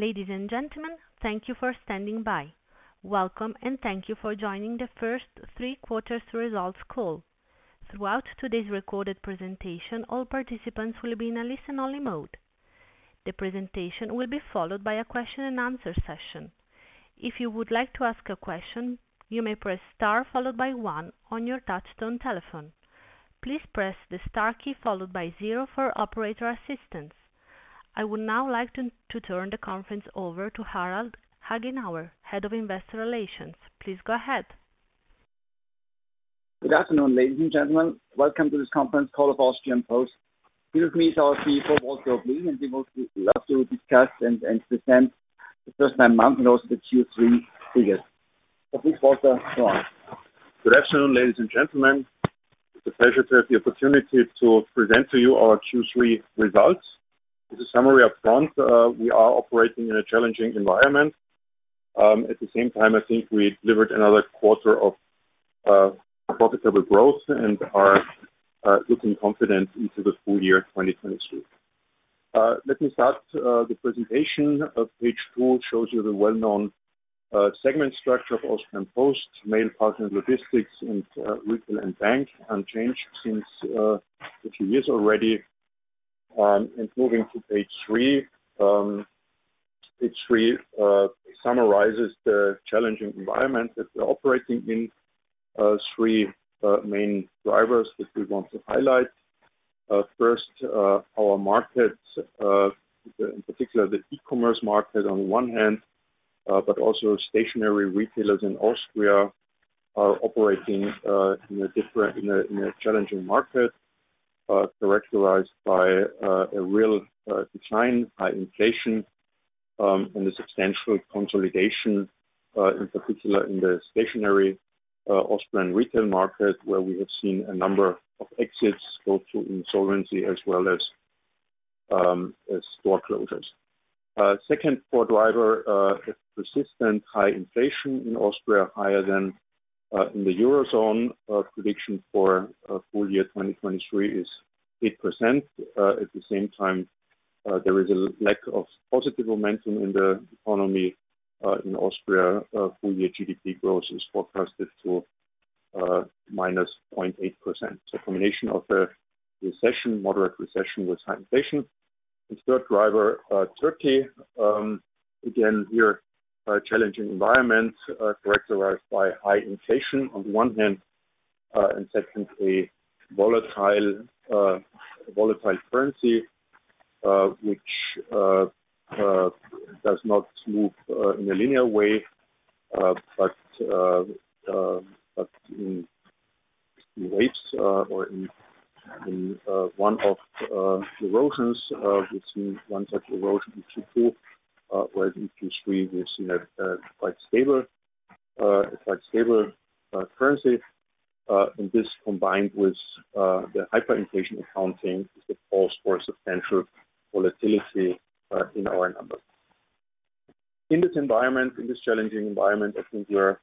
Ladies and gentlemen, thank you for standing by. Welcome, and thank you for joining the first three quarters results call. Throughout today's recorded presentation, all participants will be in a listen-only mode. The presentation will be followed by a question and answer session. If you would like to ask a question, you may press star followed by one on your touchtone telephone. Please press the star key followed by zero for operator assistance. I would now like to turn the conference over to Harald Hagenauer, Head of Investor Relations. Please go ahead. Good afternoon, ladies and gentlemen. Welcome to this conference call of Austrian Post. Here with me is our CFO, Walter Oblin, and we would love to discuss and present the first 9 months and also the Q3 figures. So please, Walter, go on. Good afternoon, ladies and gentlemen. It's a pleasure to have the opportunity to present to you our Q3 results. As a summary up front, we are operating in a challenging environment. At the same time, I think we delivered another quarter of profitable growth and are looking confident into the full year 2023. Let me start the presentation of page two, shows you the well-known segment structure of Austrian Post, Mail, Parcel, Logistics, and Retail and Bank, unchanged since a few years already. And moving to page three. Page three summarizes the challenging environment that we're operating in. Three main drivers that we want to highlight. First, our markets, in particular, the e-commerce market on one hand, but also stationary retailers in Austria are operating in a different, in a challenging market characterized by a real decline, high inflation, and a substantial consolidation, in particular in the stationary Austrian retail market, where we have seen a number of exits go through insolvency as well as store closures. Second core driver is persistent high inflation in Austria, higher than in the Eurozone. Prediction for full year 2023 is 8%. At the same time, there is a lack of positive momentum in the economy in Austria. Full year GDP growth is forecasted to minus 0.8%. So combination of the recession, moderate recession with high inflation. And third driver, Turkey. Again, we are a challenging environment, characterized by high inflation on one hand, and secondly, volatile, volatile currency, which does not move in a linear way, but in waves or in one of erosions. We've seen one such erosion in Q2, where in Q3, we've seen a quite stable, a quite stable currency. And this combined with the hyperinflation accounting is the cause for substantial volatility in our numbers. In this environment, in this challenging environment, I think we are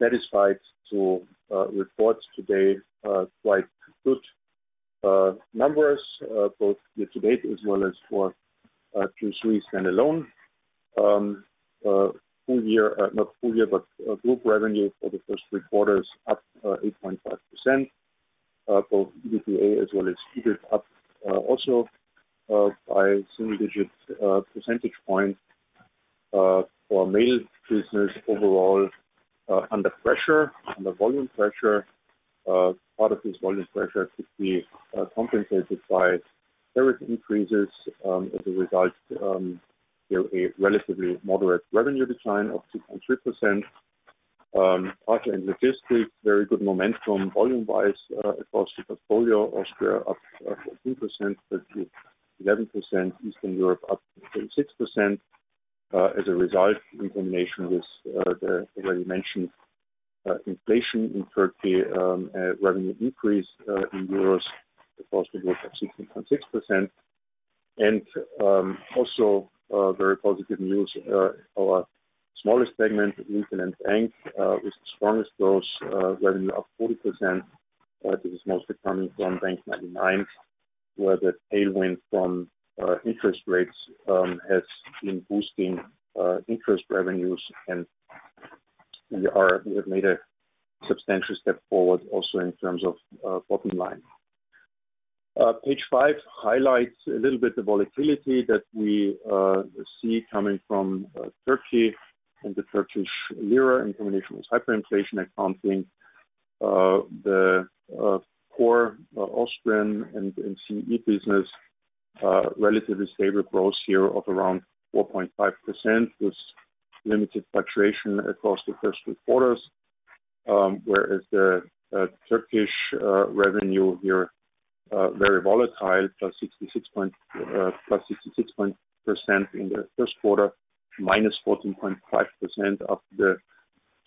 satisfied to report today quite good numbers both year to date as well as for Q3 standalone. Full year, not full year, but group revenue for the first three quarters, up 8.5%. Both EBITDA as well as EBIT up also by single digits percentage point for Mail business overall under pressure, under volume pressure. Part of this volume pressure could be compensated by tariff increases. As a result, you know, a relatively moderate revenue decline of 2.3%. Parcel and Logistics, very good momentum volume-wise across the portfolio. Austria, up to 11%. Eastern Europe, up to 36%. As a result, in combination with the already mentioned inflation in Turkey, revenue increase in euros, of course, we grew at 16.6%. Also, very positive news, our smallest segment, Retail and Bank, was the strongest growth, revenue of 40%. This is mostly coming from bank99, where the tailwind from interest rates has been boosting interest revenues. And we have made a substantial step forward also in terms of bottom line. Page five highlights a little bit the volatility that we see coming from Turkey and the Turkish lira in combination with hyperinflation accounting. The core Austrian and CE business, relatively stable growth here of around 4.5%, with limited fluctuation across the first three quarters. Whereas the Turkish revenue here very volatile, +66% in the first quarter, -14.5% of the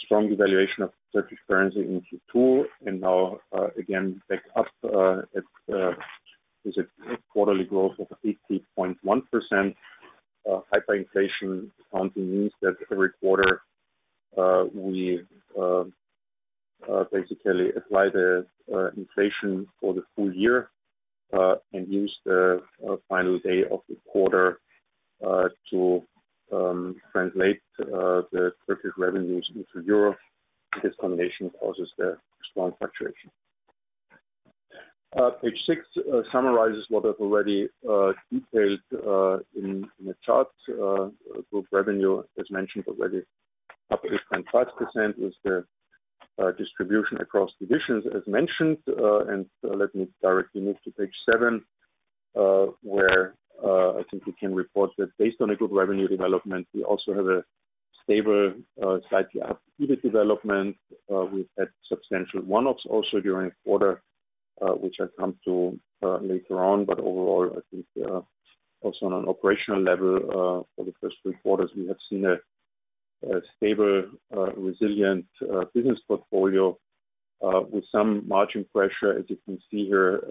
strong devaluation of Turkish currency in Q2. And now, again, back up at is a quarterly growth of 50.1%. Hyperinflation accounting means that every quarter, we basically apply the inflation for the full year, and use the final day of the quarter to translate the Turkish revenues into Europe. This combination causes the strong fluctuation. Page six summarizes what I've already detailed in the charts. Group revenue, as mentioned already, up 25% is the distribution across divisions, as mentioned. And let me directly move to page seven, where I think we can report that based on a good revenue development, we also have a stable, slightly up EBIT development. We've had substantial one-offs also during the quarter, which I come to later on. But overall, I think also on an operational level, for the first three quarters, we have seen a stable, resilient business portfolio with some margin pressure, as you can see here,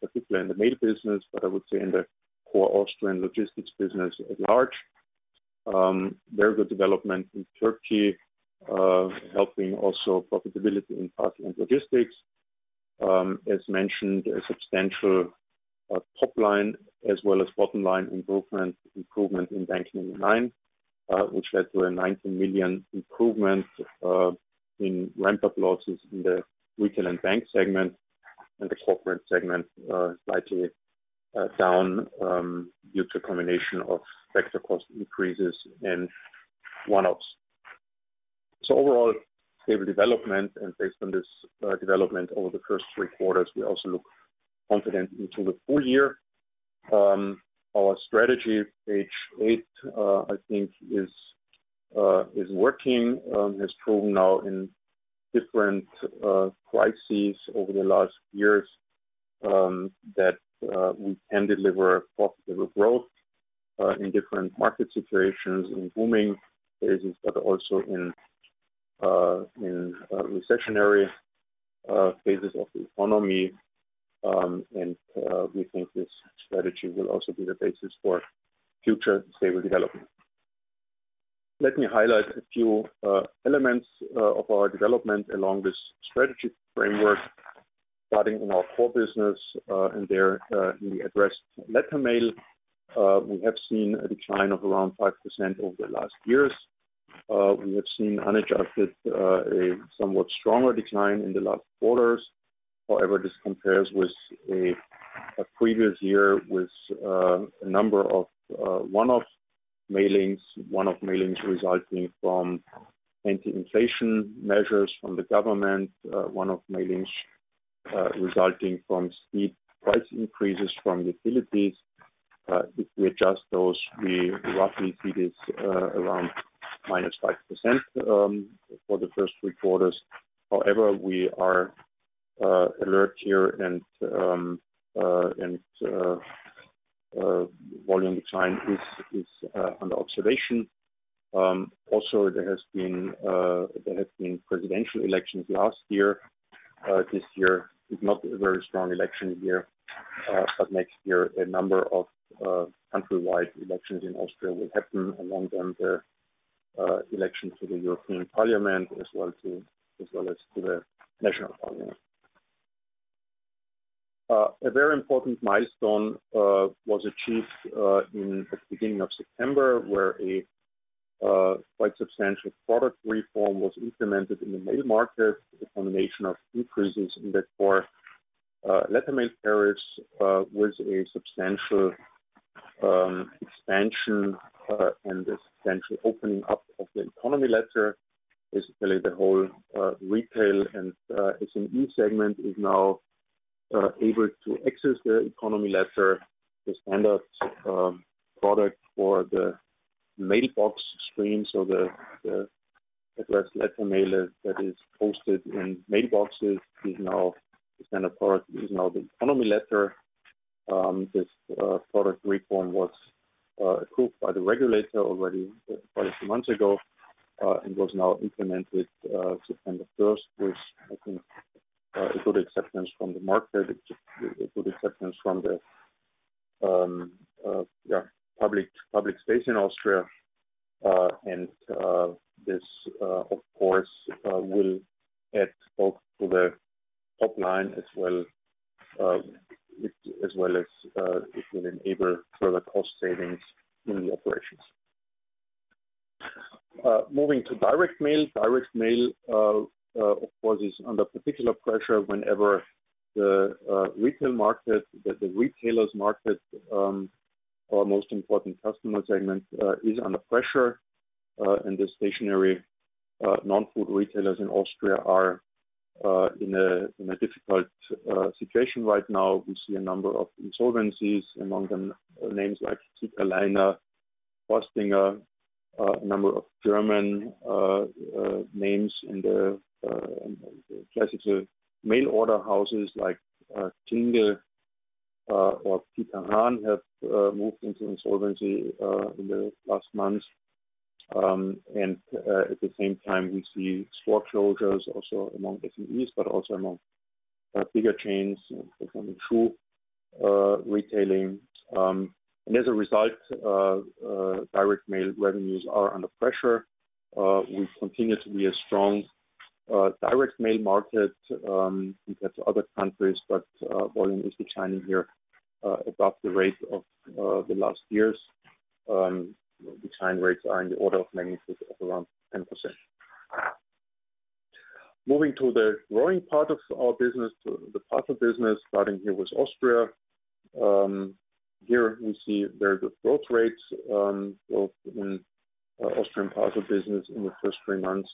particularly in the Mail business. But I would say in the core Austrian logistics business at large, very good development in Turkey, helping also profitability in Parcels and Logistics. As mentioned, a substantial top line as well as bottom line improvement, improvement in bank99, which led to a 19 million improvement in ramp-up losses in the retail and bank segment, and the corporate segment slightly down due to a combination of sector cost increases and one-offs. Overall stable development, and based on this development over the first three quarters, we also look confident into the full year. Our strategy, page eight, I think is working, has proven now in different crises over the last years that we can deliver profitable growth in different market situations, in booming phases, but also in recessionary phases of the economy. We think this strategy will also be the basis for future stable development. Let me highlight a few elements of our development along this strategy framework. Starting in our core business, and there, in the addressed letter mail, we have seen a decline of around 5% over the last years. We have seen unadjusted, a somewhat stronger decline in the last quarters. However, this compares with a previous year with a number of one-off mailings. One-off mailings resulting from anti-inflation measures from the government, one-off mailings resulting from steep price increases from utilities. If we adjust those, we roughly see this around -5% for the first three quarters. However, we are alert here and volume decline is under observation. Also, there has been, there have been presidential elections last year. This year is not a very strong election year, but next year, a number of country-wide elections in Austria will happen, among them, the election to the European Parliament, as well as to the National Parliament. A very important milestone was achieved in the beginning of September, where a quite substantial product reform was implemented in the mail market. The combination of increases in the core letter mail tariffs was a substantial expansion and a substantial opening up of the Economy Letter. Basically, the whole retail and SME segment is now able to access the Economy Letter, the standard product for the mailbox stream. So the address letter mailer that is posted in mailboxes is now the standard product, is now the Economy Letter. This product reform was approved by the regulator already quite a few months ago, and was now implemented September first, with, I think, a good acceptance from the market, a good acceptance from the yeah, public, public space in Austria. And this of course will add both to the top line as well, as well as it will enable further cost savings in the operations. Moving to direct mail. Direct mail of course is under particular pressure whenever the retail market, the retailers market, our most important customer segment is under pressure. And the stationary non-food retailers in Austria are in a difficult situation right now. We see a number of insolvencies, among them names like Superliner, Forstinger, a number of German names in the classical mail order houses like Klingel or Peter Hahn have moved into insolvency in the last months. At the same time, we see store closures also among SMEs, but also among bigger chains in retailing, and as a result direct mail revenues are under pressure. We continue to be a strong direct mail market compared to other countries, but volume is declining here above the rate of the last years. Decline rates are in the order of magnitude of around 10%. Moving to the growing part of our business, to the Parcel business, starting here with Austria. Here we see very good growth rates, both in Austrian Parcel business in the first 3 months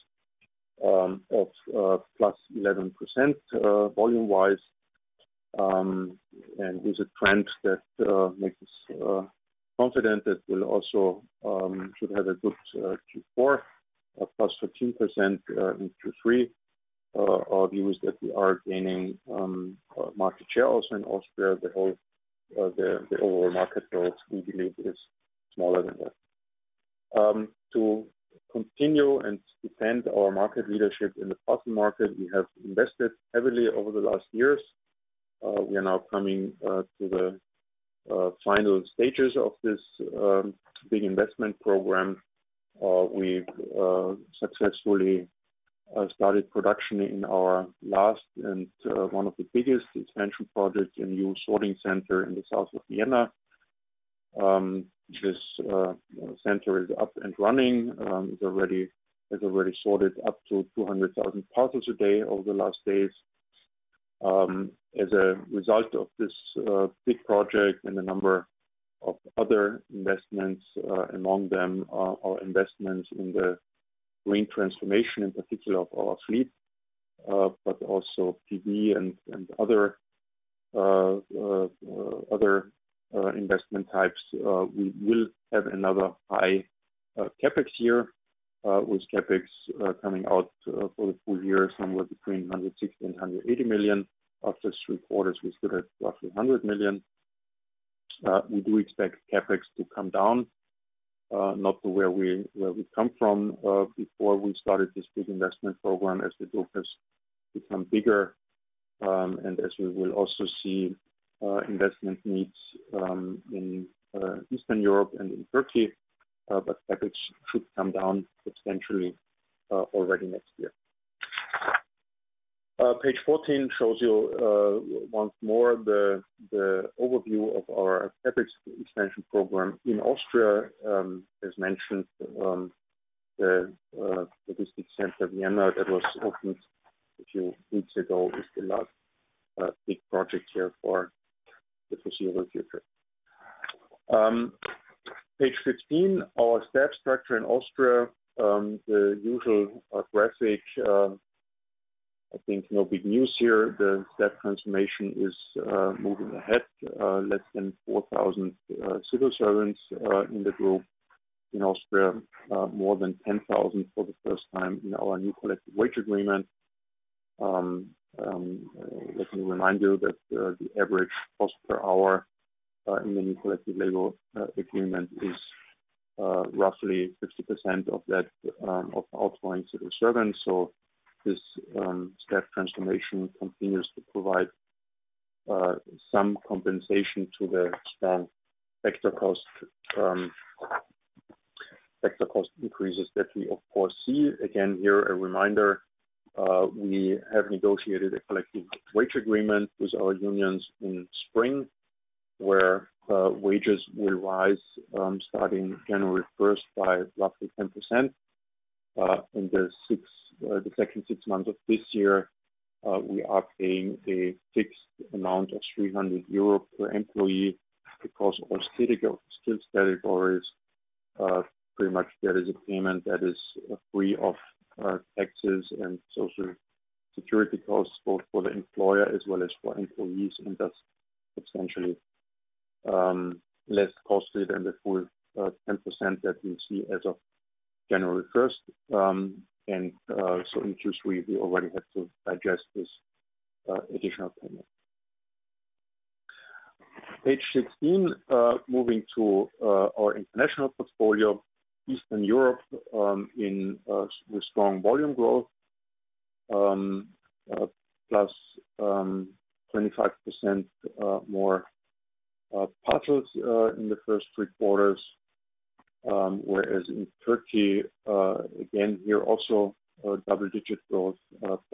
of +11%, volume-wise. And is a trend that makes us confident that we'll also should have a good Q4, +13% in Q3, of use that we are gaining market share also in Austria. The overall market growth, we believe, is smaller than that. To continue and defend our market leadership in the parcel market, we have invested heavily over the last years. We are now coming to the final stages of this big investment program. We've successfully started production in our last, and one of the biggest expansion projects, a new sorting center in the south of Vienna. This center is up and running, it has already sorted up to 200,000 parcels a day over the last days. As a result of this big project and a number of other investments, among them are investments in the green transformation, in particular of our fleet, but also PV and other investment types. We will have another high CapEx year with CapEx coming out for the full year somewhere between 160 million and 180 million. After three quarters, we sit at roughly 100 million. We do expect CapEx to come down, not to where we, where we've come from, before we started this big investment program, as the group has become bigger, and as we will also see, investment needs, in Eastern Europe and in Turkey, but CapEx should come down substantially, already next year. Page 14 shows you, once more, the overview of our CapEx expansion program in Austria. As mentioned, the Logistics Center Vienna, that was opened a few weeks ago, is the last big project here for the foreseeable future. Page 15, our staff structure in Austria. The usual graphic, I think no big news here. The staff transformation is moving ahead. Less than 4,000 civil servants in the group. In Austria, more than 10,000 for the first time in our new collective wage agreement. Let me remind you that the average cost per hour in the new collective labor agreement is roughly 50% of that of outgoing civil servants. So this staff transformation continues to provide some compensation to the extra cost increases that we of course see. Again, here a reminder, we have negotiated a collective wage agreement with our unions in spring, where wages will rise starting January first by roughly 10%. In the second 6 months of this year, we are paying a fixed amount of 300 euro per employee across all critical skills categories. Pretty much that is a payment that is free of taxes and social security costs, both for the employer as well as for employees. And that's essentially less costly than the full 10% that we see as of January first. And so in Q3, we already had to digest this additional payment. Page 16, moving to our international portfolio. Eastern Europe with strong volume growth +25% more parcels in the first three quarters. Whereas in Turkey, again here also, a double digit growth +11%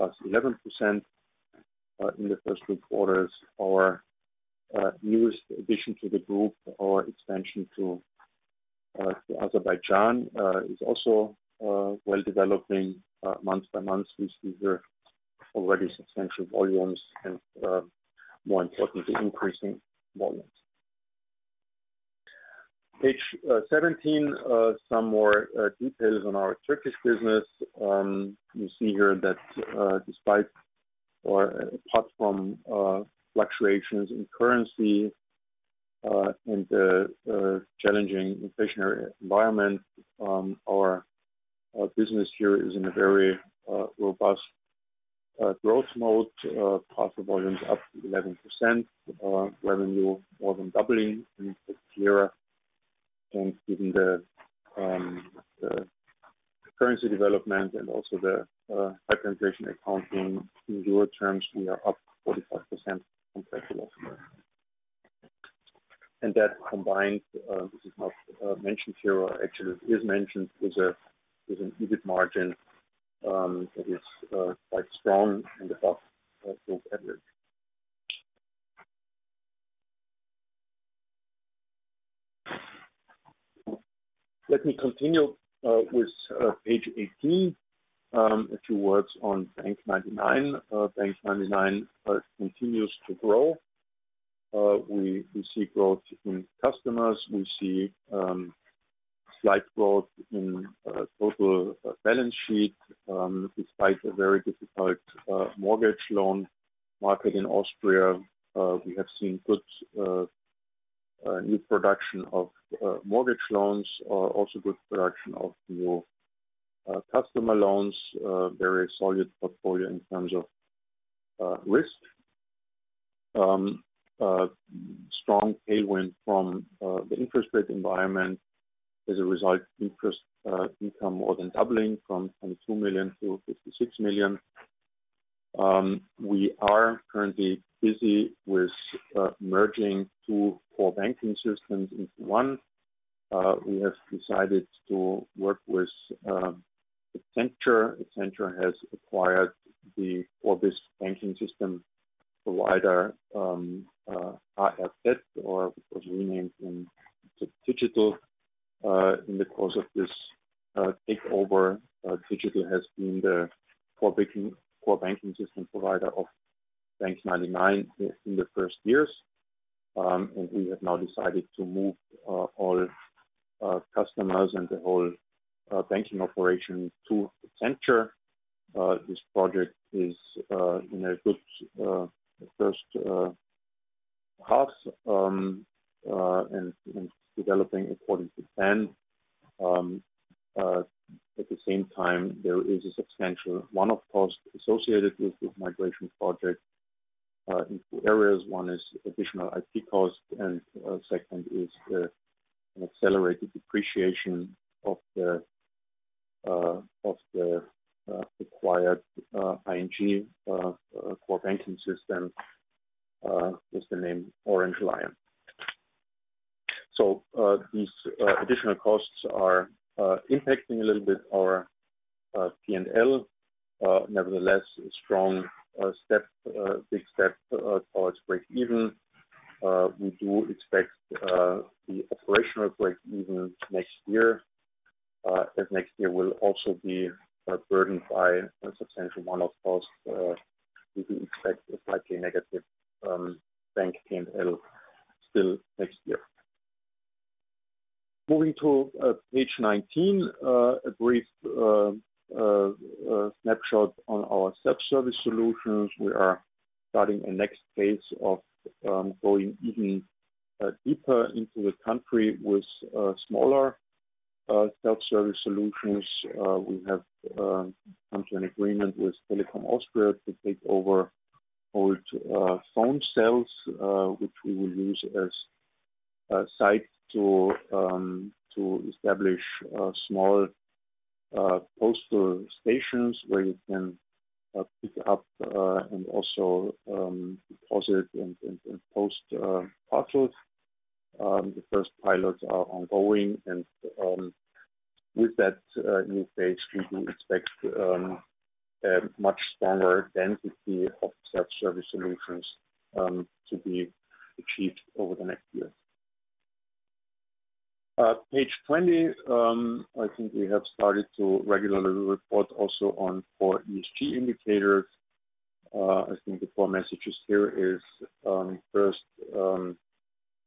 in the first three quarters. Our newest addition to the group, our expansion to Azerbaijan, is also well developing month by month. We see the already substantial volumes and, more importantly, increasing volumes. Page 17, some more details on our Turkish business. You see here that, despite or apart from, fluctuations in currency, and the challenging inflationary environment, our business here is in a very robust growth mode. Parcel volumes up 11%, revenue more than doubling in the year, and given the currency development and also the hyperinflation accounting in Euro terms, we are up 45% from last year. And that combined, this is not mentioned here, or actually is mentioned, is an EBIT margin that is quite strong and above average. Let me continue with page 18. A few words on bank99. bank99 continues to grow. We see growth in customers. We see slight growth in total balance sheet despite a very difficult mortgage loan market in Austria. We have seen good new production of mortgage loans, also good production of new customer loans, very solid portfolio in terms of risk. Strong tailwind from the interest rate environment. As a result, interest income more than doubling from 22 million to 56 million. We are currently busy with merging two core banking systems into one. We have decided to work with Accenture. Accenture has acquired the core business banking system provider, ARZ, or it was renamed into TiGital. In the course of this takeover, TiGital has been the core banking system provider of bank99 in the first years. We have now decided to move all customers and the whole banking operation to Accenture. This project is in a good first half and developing according to plan. At the same time, there is a substantial one-off cost associated with this migration project in two areas. One is additional IT cost, and second is the accelerated depreciation of the acquired ING core banking system with the name Orange Lion. So, these additional costs are impacting a little bit our P&L. Nevertheless, a strong big step towards breakeven. We do expect the operational break even next year, as next year will also be burdened by a substantial one-off cost. We do expect a slightly negative bank PNL still next year. Moving to page 19, a brief snapshot on our self-service solutions. We are starting a next phase of going even deeper into the country with smaller self-service solutions. We have come to an agreement with Telekom Austria to take over old phone cells, which we will use as sites to establish small postal stations where you can pick up and also deposit and post parcels. The first pilots are ongoing, and with that new phase, we do expect a much stronger density of self-service solutions to be achieved over the next year. Page 20, I think we have started to regularly report also on four ESG indicators. I think the core messages here is, first,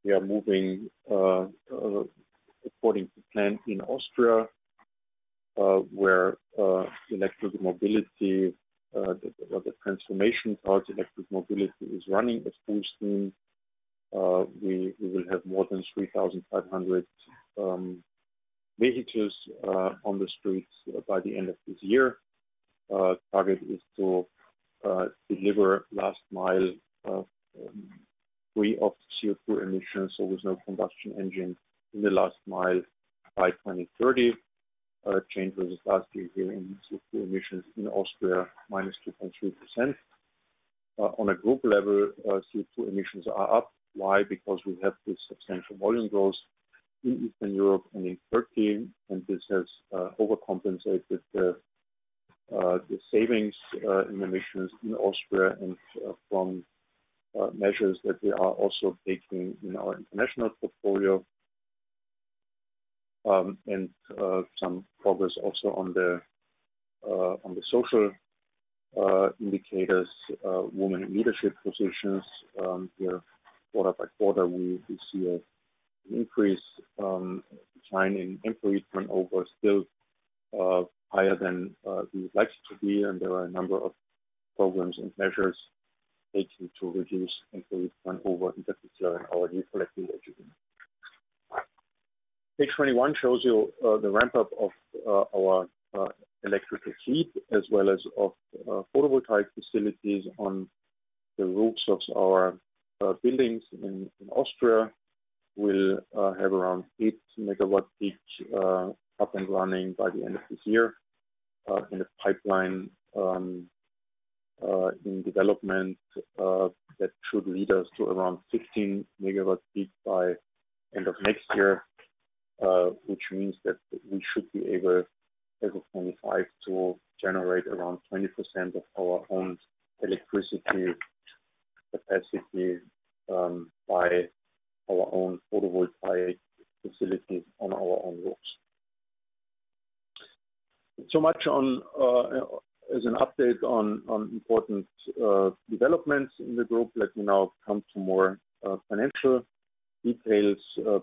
we are moving according to plan in Austria, where electric mobility, the transformation towards electric mobility is running at full steam. We will have more than 3,500 vehicles on the streets by the end of this year. Target is to deliver last mile free of CO₂ emissions, so with no combustion engine in the last mile by 2030. Change was last year in CO₂ emissions in Austria, -2.3%. On a group level, CO₂ emissions are up. Why? Because we have this substantial volume growth in Eastern Europe and in Turkey, and this has overcompensated the savings in emissions in Austria and from measures that we are also taking in our international portfolio. And some progress also on the social indicators, women in leadership positions. Here, quarter by quarter, we see an increase, decline in employee turnover, still higher than we would like it to be, and there are a number of programs and measures aiming to reduce employee turnover, in particular, in our new collecting region. Page 21 shows you the ramp-up of our electrical heat as well as of photovoltaic facilities on the roofs of our buildings in Austria. We'll have around 8 MW each up and running by the end of this year. In the pipeline, in development, that should lead us to around 16 MW peak by end of next year, which means that we should be able, as of 2025, to generate around 20% of our own electricity capacity by our own photovoltaic facilities on our own roofs. So much on as an update on important developments in the group. Let me now come to more financial details.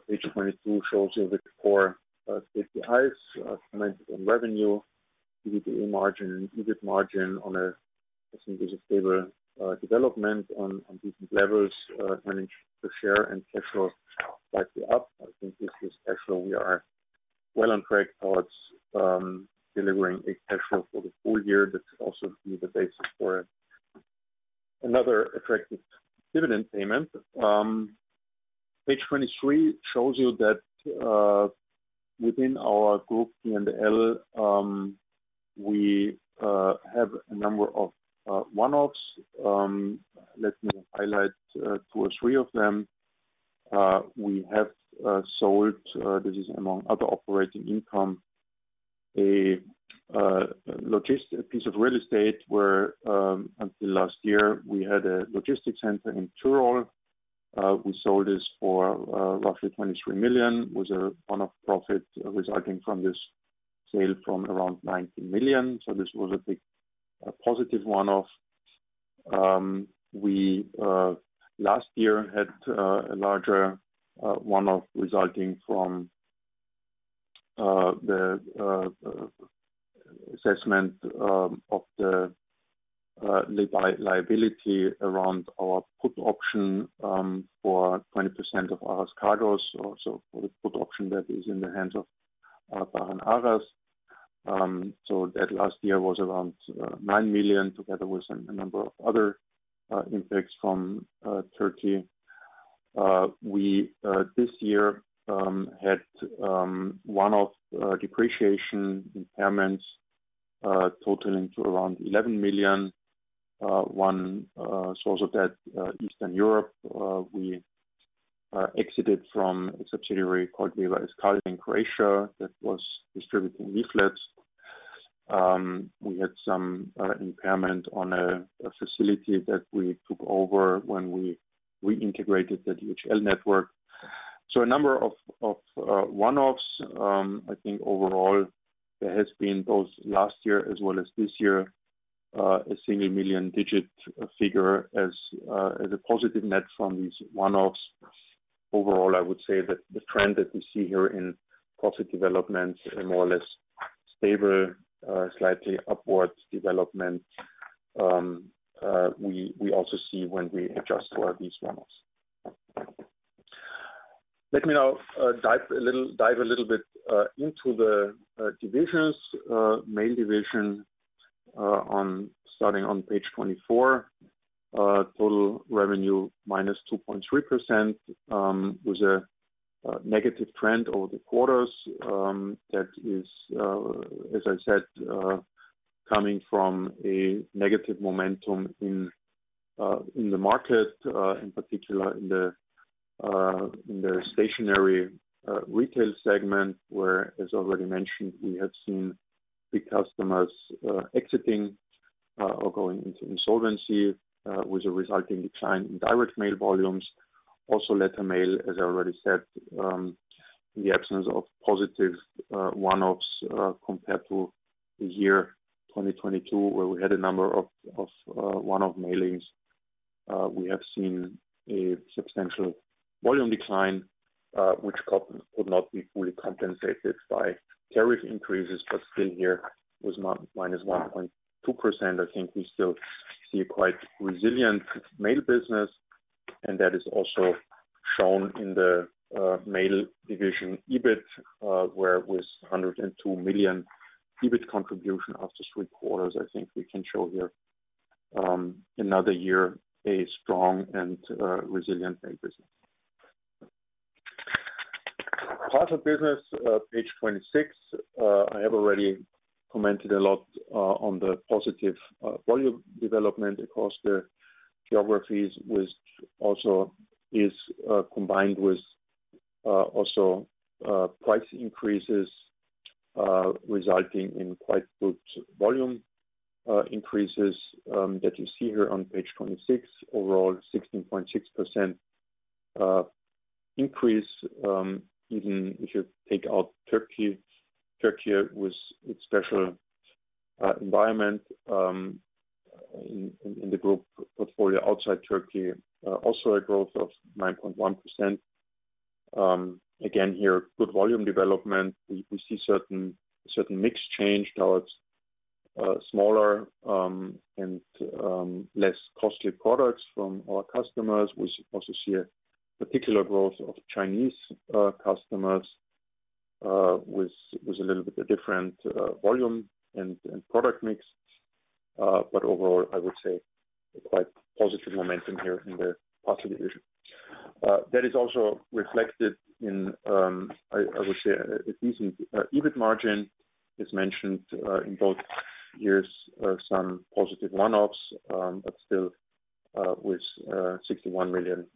Page 22 shows you the core KPIs, commented on revenue, EBITDA margin, EBIT margin on a, I think, stable development on different levels, managed to share and cash flow slightly up. I think this is actually we are well on track towards delivering a cash flow for the full year. That also be the basis for another attractive dividend payment. Page 23 shows you that within our group, P&L, we have a number of one-offs. Let me highlight two or three of them. We have sold, this is among other operating income, a piece of real estate where until last year, we had a logistics center in Tyrol. We sold this for roughly 23 million, was a one-off profit resulting from this sale from around 19 million. So this was a big positive one-off. We last year had a larger one-off resulting from the assessment of the liability around our put option for 20% of Aras Kargo. So for the put option, that is in the hands of Aras. So that last year was around 9 million, together with a number of other impacts from Turkey. We this year had one-off depreciation impairments totaling around 11 million. One source of that, Eastern Europe, we exited from a subsidiary called Weber Escal in Croatia that was distributing leaflets. We had some impairment on a facility that we took over when we reintegrated the DHL network. So a number of one-offs, I think overall, there has been those last year as well as this year, a single-digit million figure as a positive net from these one-offs. Overall, I would say that the trend that we see here in profit development are more or less stable, slightly upwards development. We also see when we adjust for these one-offs. Let me now dive a little bit into the divisions. Main division, starting on page 24. Total revenue -2.3% was a negative trend over the quarters. That is, as I said, coming from a negative momentum in the market, in particular in the stationery retail segment, where, as already mentioned, we have seen big customers exiting or going into insolvency, with a resulting decline in direct mail volumes. Also, letter mail, as I already said, in the absence of positive one-offs, compared to the year 2022, where we had a number of one-off mailings, we have seen a substantial volume decline, which could not be fully compensated by tariff increases, but still here was not -1.2%. I think we still see a quite resilient Mail business, and that is also shown in the Mail division, EBIT, where it was a 102 million EBIT contribution after three quarters. I think we can show here another year, a strong and resilient business. Parcel business, page 26. I have already commented a lot on the positive volume development across the geographies, which also is combined with also price increases, resulting in quite good volume increases that you see here on page 26. Overall, 16.6% increase, even if you take out Turkey. Turkey with its special environment in the group portfolio. Outside Turkey, also a growth of 9.1%. Again, here, good volume development. We see certain mix change towards smaller and less costly products from our customers. We also see a particular growth of Chinese customers, was a little bit different volume and product mix. But overall, I would say quite positive momentum here in the Parcel division. That is also reflected in, I would say, a decent EBIT margin is mentioned in both years. Some positive one-offs, but still, with 61 million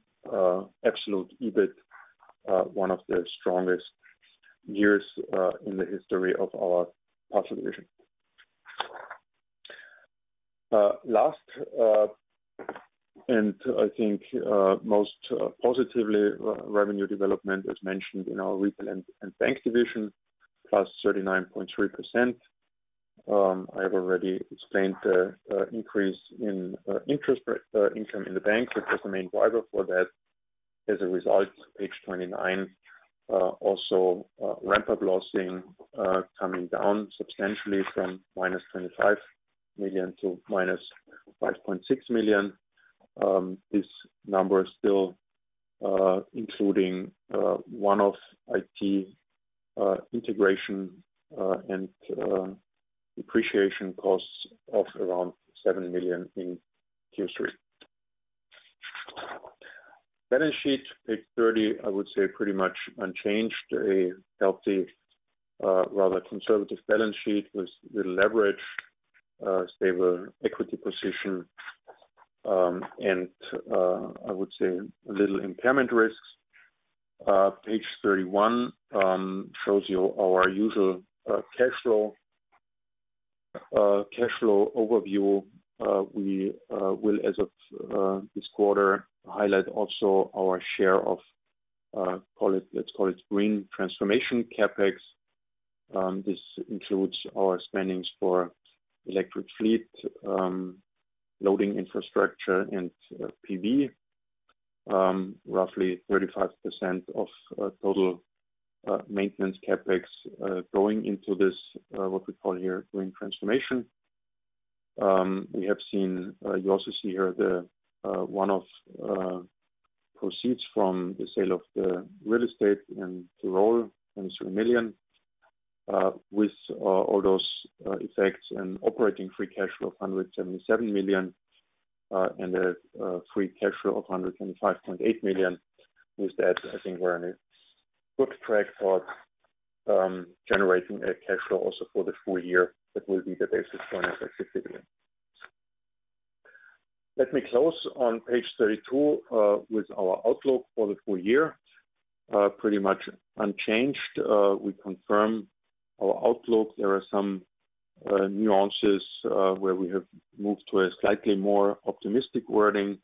absolute EBIT, one of the strongest years in the history of our Parcel division. Last, and I think most positively, revenue development, as mentioned in our retail and bank division, +39.3%. I have already explained the increase in interest income in the bank, which was the main driver for that. As a result, page 29, also, ramp-up losses coming down substantially from -25 million to -5.6 million. This number is still including one-off IT integration and depreciation costs of around 7 million in Q3. Balance sheet, page 30, I would say pretty much unchanged. A healthy rather conservative balance sheet with little leverage, stable equity position, and I would say little impairment risks. Page 31 shows you our usual cash flow overview. We will, as of this quarter, highlight also our share of, call it, let's call it green transformation CapEx. This includes our spending for electric fleet, loading infrastructure and PV. Roughly 35% of total maintenance CapEx going into this, what we call here, green transformation. We have seen, you also see here the one of proceeds from the sale of the real estate in Tyrol, 23 million, with all those effects and operating free cash flow of 177 million, and a free cash flow of 105.8 million. With that, I think we're on a good track for generating a cash flow also for the full year. That will be the basis for next activity. Let me close on page 32 with our outlook for the full year. Pretty much unchanged. We confirm our outlook. There are some nuances where we have moved to a slightly more optimistic wording,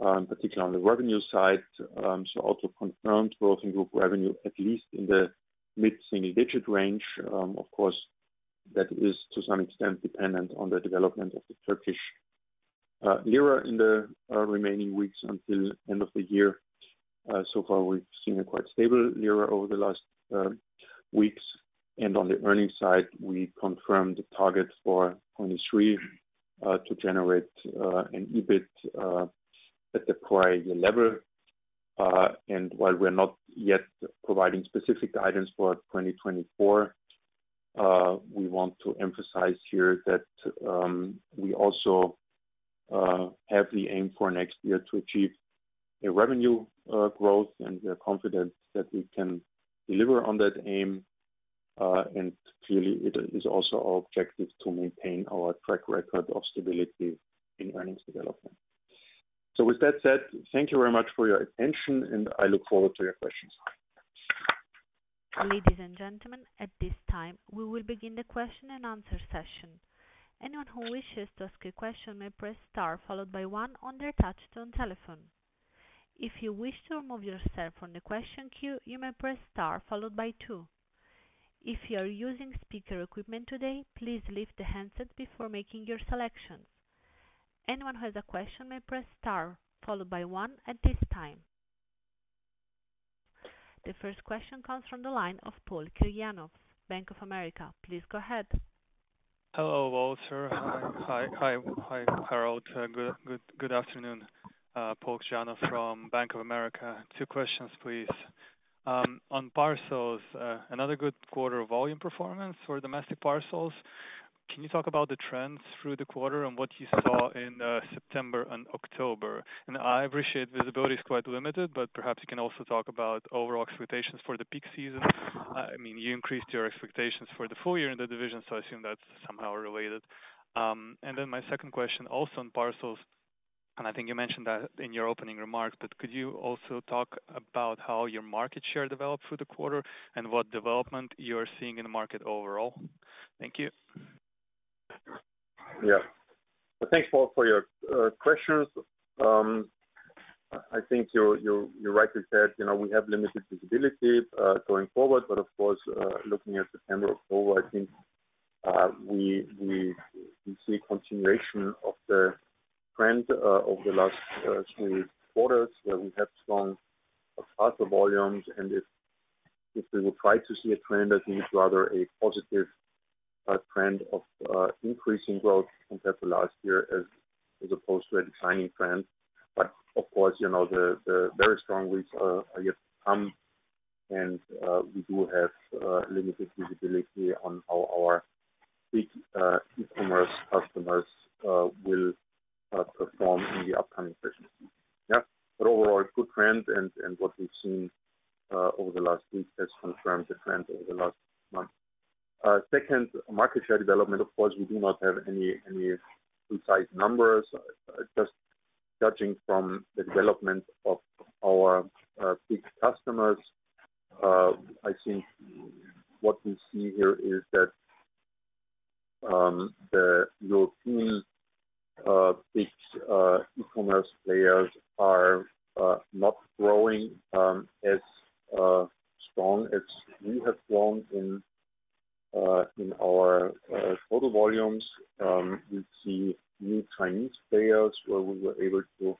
particularly on the revenue side. So also confirmed growth in group revenue, at least in the mid-single digit range. Of course, that is to some extent dependent on the development of the Turkish lira in the remaining weeks until end of the year. So far, we've seen a quite stable lira over the last weeks. And on the earnings side, we confirmed the target for 2023 to generate an EBIT at the prior year level. And while we're not yet providing specific guidance for 2024, we want to emphasize here that we also have the aim for next year to achieve a revenue growth, and we are confident that we can deliver on that aim. Clearly, it is also our objective to maintain our track record of stability in earnings development. With that said, thank you very much for your attention, and I look forward to your questions. Ladies and gentlemen, at this time, we will begin the question and answer session. Anyone who wishes to ask a question may press star, followed by one on their touchtone telephone. If you wish to remove yourself from the question queue, you may press star, followed by two. If you are using speaker equipment today, please leave the handsets before making your selections. Anyone who has a question may press star, followed by one at this time. The first question comes from the line of Paul Kirjanovs, Bank of America. Please go ahead. Hello, Walter. Hi, hi, hi, hi, Harald. Good, good, good afternoon, Paul Kirjanovs from Bank of America. Two questions, please. On parcels, another good quarter of volume performance for domestic parcels. Can you talk about the trends through the quarter and what you saw in, September and October? And I appreciate visibility is quite limited, but perhaps you can also talk about overall expectations for the peak season. I mean, you increased your expectations for the full year in the division, so I assume that's somehow related. And then my second question, also on parcels, and I think you mentioned that in your opening remarks, but could you also talk about how your market share developed through the quarter and what development you're seeing in the market overall? Thank you. Yeah. Well, thanks, Paul, for your questions. I think you're right to say, you know, we have limited visibility going forward, but of course, looking at September forward, I think we see a continuation of the trend over the last three quarters, where we have strong parcel volumes. And if we will try to see a trend, I think it's rather a positive a trend of increasing growth compared to last year as opposed to a declining trend. But of course, you know, the very strong weeks are yet to come, and we do have limited visibility on how our big e-commerce customers will perform in the upcoming quarters. Yeah, but overall, it's good trend, and what we've seen over the last week has confirmed the trend over the last month. Second, market share development, of course, we do not have any precise numbers. Just judging from the development of our big customers, I think what we see here is that the European big e-commerce players are not growing as strong as we have grown in our total volumes. We see new Chinese players where we were able to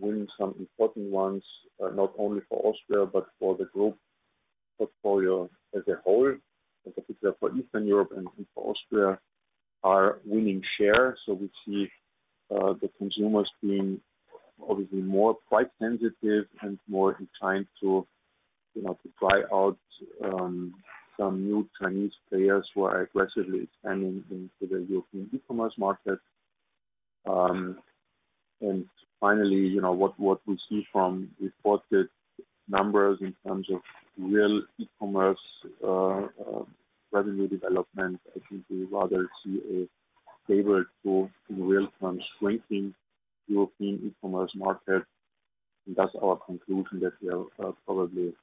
win some important ones, not only for Austria, but for the group portfolio as a whole, in particular for Eastern Europe and for Austria, are winning share. So we see, the consumers being obviously more price sensitive and more inclined to, you know, to try out, some new Chinese players who are aggressively expanding into the European e-commerce market. And finally, you know, what, what we see from reported numbers in terms of real e-commerce, revenue development, I think we rather see a favored to, in real terms, strengthening European e-commerce market. And that's our conclusion, that we are, probably,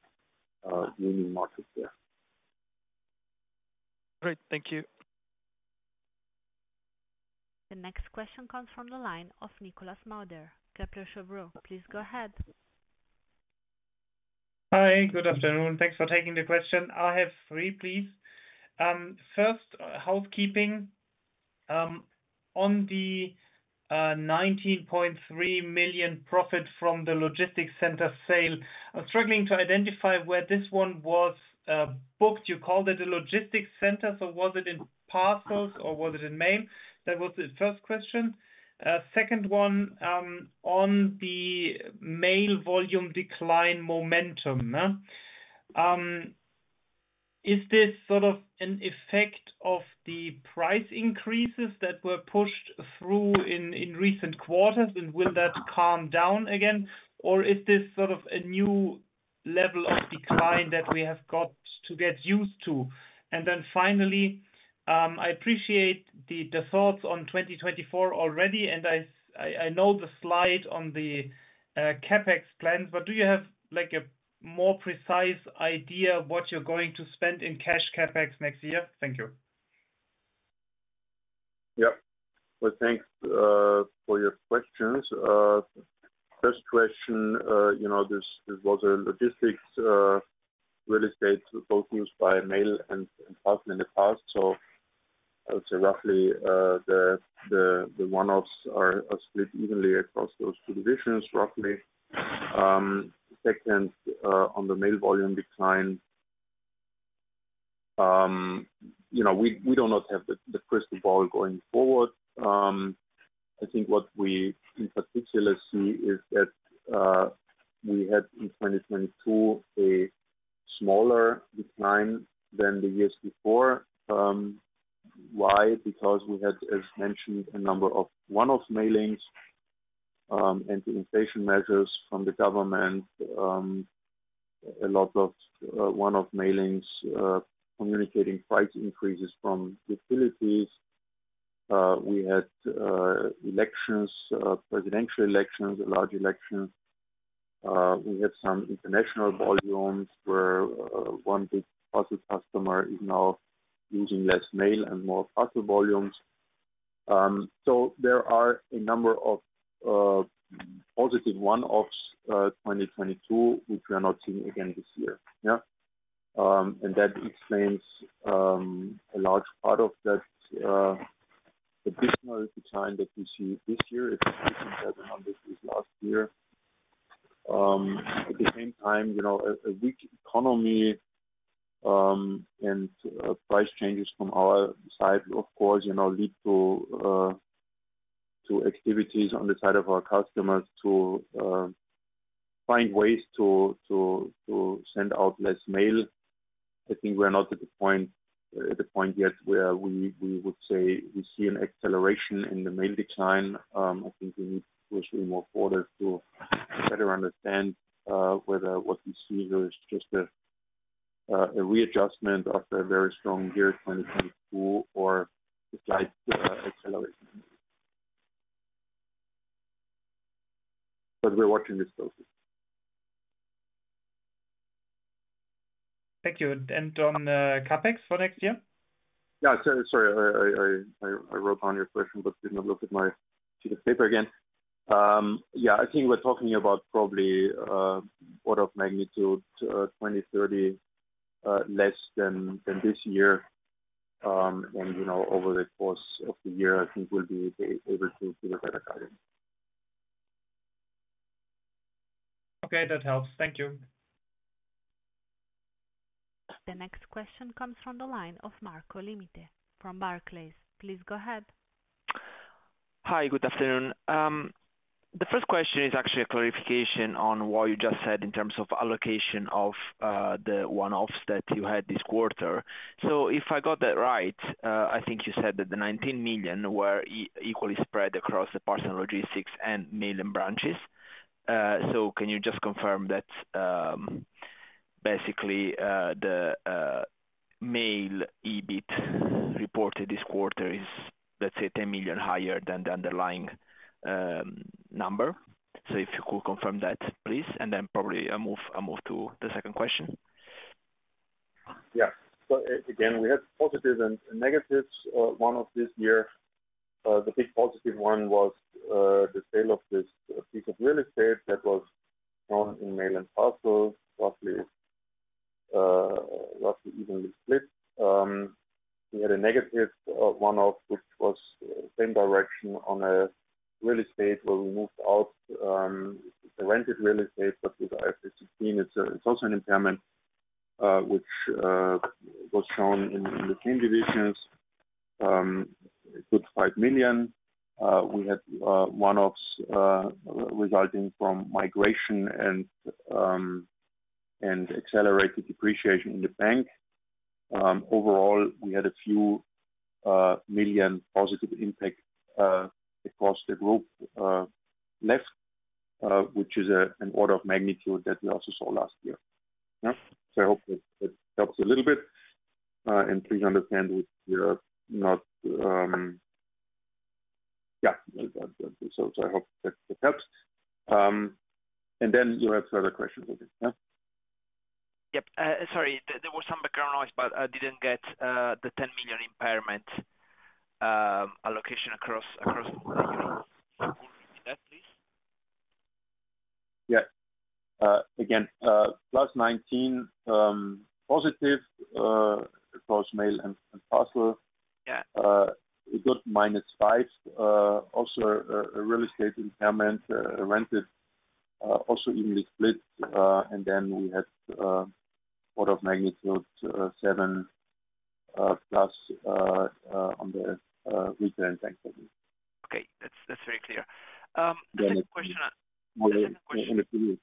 winning market share. Great, thank you. The next question comes from the line of Nikolas Mauder, Kepler Cheuvreux. Please go ahead. Hi, good afternoon. Thanks for taking the question. I have three, please. First, housekeeping. On the 19.3 million profit from the logistics center sale, I'm struggling to identify where this one was booked. You called it a logistics center, so was it in Parcels or was it in Mail? That was the first question. Second one, on the mail volume decline momentum. Is this sort of an effect of the price increases that were pushed through in recent quarters, and will that calm down again? Or is this sort of a new level of decline that we have got to get used to? Then finally, I appreciate the thoughts on 2024 already, and I know the slide on the CapEx plans, but do you have, like, a more precise idea of what you're going to spend in cash CapEx next year? Thank you. Yeah. Well, thanks for your questions. First question, you know, this was a logistics real estate focused by Mail and Parcel in the past. So I would say roughly, the one-offs are split evenly across those two divisions, roughly. Second, on the mail volume decline, you know, we do not have the crystal ball going forward. I think what we in particular see is that, we had in 2022, a smaller decline than the years before. Why? Because we had, as mentioned, a number of one-off mailings, and inflation measures from the government. A lot of one-off mailings communicating price increases from utilities. We had elections, presidential elections, large elections. We had some international volumes where one big parcel customer is now using less mail and more parcel volumes. So there are a number of positive one-offs, 2022, which we are not seeing again this year. Yeah. And that explains a large part of that additional decline that we see this year, last year. At the same time, you know, a weak economy and price changes from our side, of course, you know, lead to activities on the side of our customers to find ways to send out less mail. I think we are not at the point yet where we would say we see an acceleration in the mail decline. I think we need to push more forward to better understand whether what we see there is just a readjustment of a very strong year, 2022, or a slight acceleration. But we're watching this closely. Thank you. And on CapEx for next year? Yeah, so sorry, I wrote down your question, but did not look at my sheet of paper again. Yeah, I think we're talking about probably order of magnitude 20, 30 less than this year. And, you know, over the course of the year, I think we'll be able to do a better guidance.... Okay, that helps. Thank you. The next question comes from the line of Marco Limite from Barclays. Please go ahead. Hi, good afternoon. The first question is actually a clarification on what you just said in terms of allocation of the one-offs that you had this quarter. So if I got that right, I think you said that the 19 million were equally spread across the Parcel, Logistics, and Mail and Branches. So can you just confirm that, basically, the Mail EBIT reported this quarter is, let's say, 10 million higher than the underlying number? So if you could confirm that, please, and then probably, I'll move, I'll move to the second question. Yeah. So again, we had positives and negatives, one-off this year. The big positive one was, the sale of this piece of real estate that was in Mail and Parcel, roughly, roughly evenly split. We had a negative, one-off, which was same division on a real estate, where we moved out, a rented real estate. But with IFRS 16, it's, it's also an impairment, which, was shown in, in the same divisions. EUR 5 million. We had, one-offs, resulting from migration and, and accelerated depreciation in the bank. Overall, we had a few million positive impact, across the group, less, which is a, an order of magnitude that we also saw last year. Yeah. So I hope it, it helps a little bit. And please understand we are not, so I hope that it helps. And then you have other questions with you? Yep. Sorry, there was some background noise, but I didn't get the 10 million impairment allocation across. Can you repeat that, please? Yeah. Again, +19, positive, across Mail and Parcel. Yeah. A good -5, also a real estate impairment, netted, also evenly split. And then we had order of magnitude +7 on the retail and bank side. Okay, that's, that's very clear. The second question- [inaudible]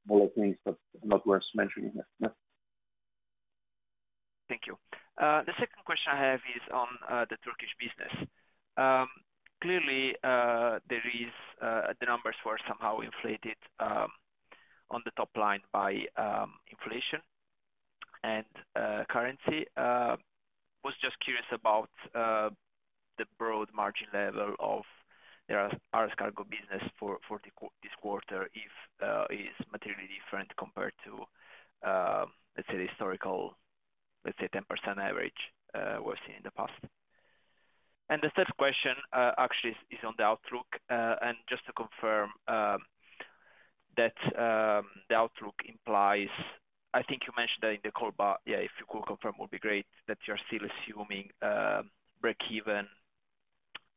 Small things, but not worth mentioning. Yeah. Thank you. The second question I have is on the Turkish business. Clearly, there is the numbers were somehow inflated on the top line by inflation and currency. Was just curious about the broad margin level of the Aras Kargo business for this quarter, if is materially different compared to let's say the historical, let's say, 10% average we've seen in the past. And the third question actually is on the outlook. And just to confirm that the outlook implies, I think you mentioned that in the call, but yeah, if you could confirm, would be great, that you're still assuming breakeven,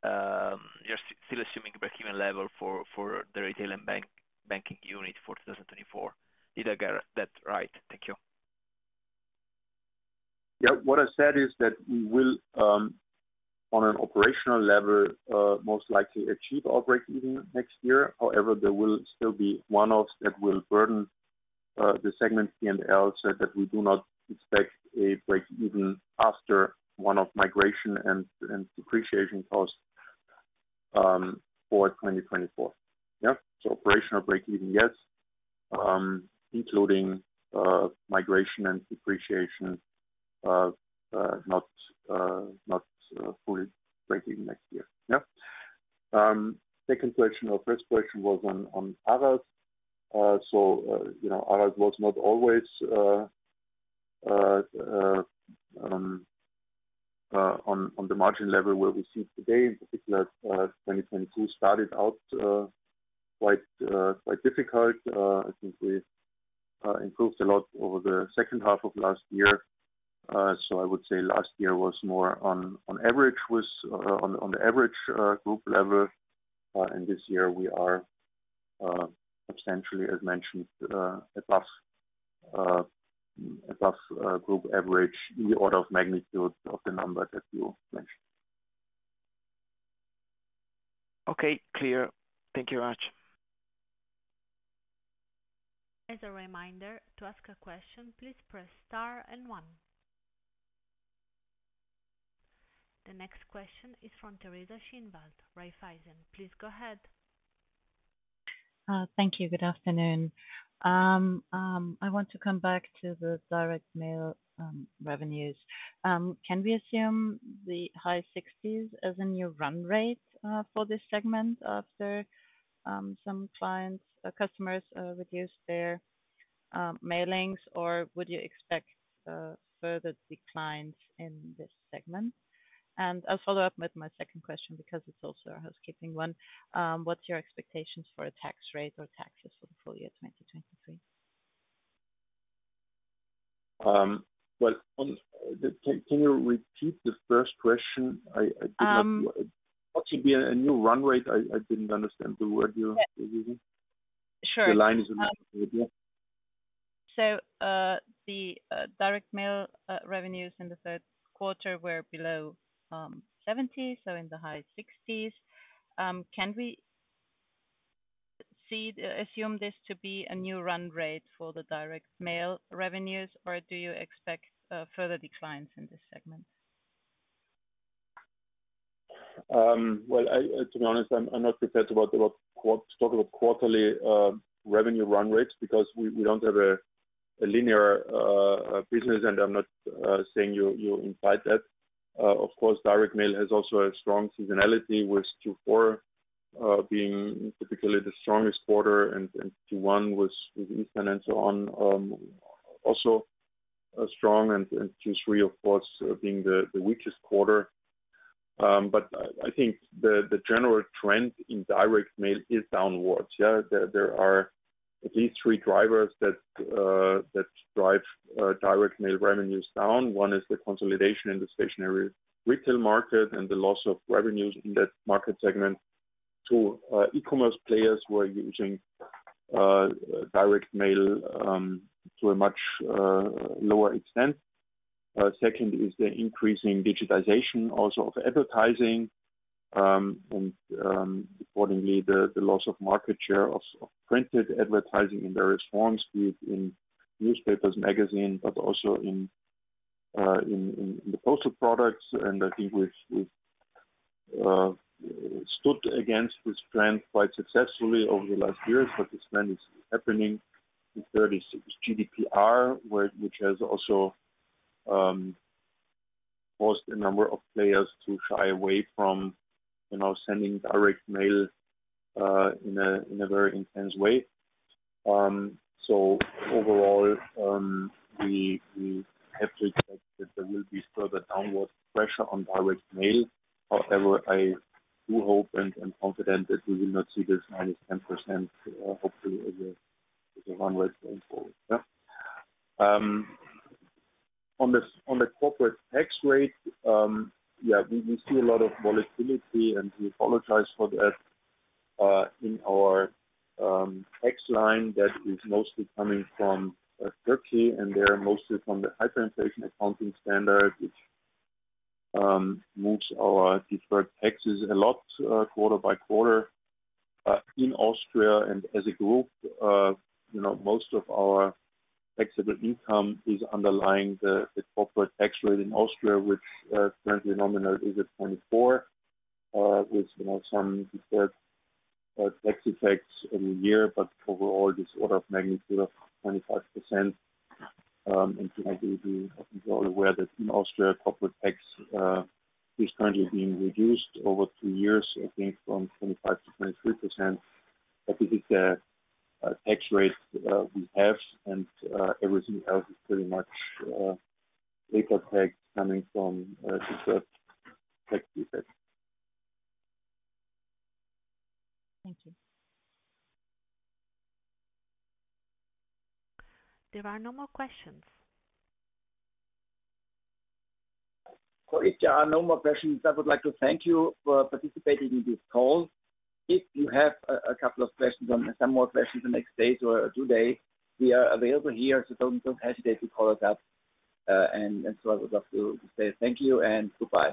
you're still assuming breakeven level for the retail and banking unit for 2024. Did I get that right? Thank you. Yeah. What I said is that we will, on an operational level, most likely achieve our breakeven next year. However, there will still be one-offs that will burden the segment P&L, so that we do not expect a breakeven after one-off migration and depreciation costs for 2024. Yeah, so operational breakeven, yes, including migration and depreciation, not fully breakeven next year. Yeah. Second question or first question was on Aras. So, you know, Aras was not always on the margin level where we see it today. In particular, 2022 started out quite, quite difficult. I think we improved a lot over the second half of last year. So, I would say last year was more on average, on the group level. And this year we are substantially as mentioned above group average in the order of magnitude of the numbers that you mentioned. Okay, clear. Thank you very much. As a reminder, to ask a question, please press star and one. The next question is from Teresa Schinwald, Raiffeisen. Please go ahead. Thank you. Good afternoon. I want to come back to the direct mail revenues. Can we assume the high 60s as a new run rate for this segment after some clients or customers reduce their mailings, or would you expect further declines in this segment? And I'll follow up with my second question because it's also a housekeeping one. What's your expectations for a tax rate or taxes for the full year 2023?... Well, can you repeat the first question? I did not- Um. What should be a new run rate? I didn't understand the word you were using. Sure. The line is a little bit yeah. The direct mail revenues in the third quarter were below 70, so in the high 60s. Can we assume this to be a new run rate for the direct mail revenues, or do you expect further declines in this segment? Well, to be honest, I'm not prepared to talk about quarterly revenue run rates because we don't have a linear business, and I'm not saying you imply that. Of course, direct mail has also a strong seasonality, with Q4 being typically the strongest quarter, and Q1 with Easter and so on also a strong, and Q3, of course, being the weakest quarter. But I think the general trend in direct mail is downwards. Yeah, there are at least three drivers that drive direct mail revenues down. One is the consolidation in the stationery retail market and the loss of revenues in that market segment to e-commerce players who are using direct mail to a much lower extent. Second is the increasing digitization also of advertising. Accordingly, the loss of market share of printed advertising in various forms, be it in newspapers, magazines, but also in the postal products. I think we've stood against this trend quite successfully over the last years, but this trend is happening in 36 GDPR, which has also forced a number of players to shy away from, you know, sending direct mail in a very intense way. So overall, we have to expect that there will be further downward pressure on direct mail. However, I do hope and confident that we will not see this -10%, hopefully, as a run rate going forward. Yeah. On the corporate tax rate, yeah, we see a lot of volatility, and we apologize for that. In our tax line, that is mostly coming from Turkey, and they are mostly from the Hyperinflation Accounting standard, which moves our deferred taxes a lot, quarter by quarter. In Austria and as a group, you know, most of our taxable income is underlying the corporate tax rate in Austria, which currently nominal is at 24, with you know some deferred tax effects every year, but overall, this order of magnitude of 25%. And I think you are all aware that in Austria, corporate tax is currently being reduced over 2 years, I think from 25%-23%. I think it's a tax rate we have, and everything else is pretty much paper tax coming from deferred tax effects. Thank you. There are no more questions. So if there are no more questions, I would like to thank you for participating in this call. If you have a couple of questions or some more questions the next days or today, we are available here, so don't hesitate to call us up. And so I would love to say thank you and goodbye.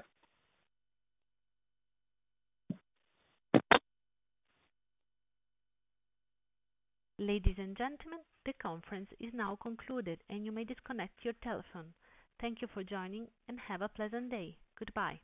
Ladies and gentlemen, the conference is now concluded, and you may disconnect your telephone. Thank you for joining, and have a pleasant day. Goodbye.